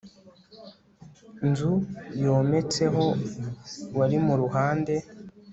nzu yometseho wari mu ruhande